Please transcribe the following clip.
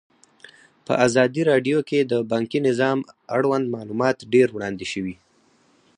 په ازادي راډیو کې د بانکي نظام اړوند معلومات ډېر وړاندې شوي.